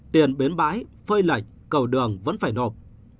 tiền bến bãi phơi lệch cầu đường vẫn phải nộp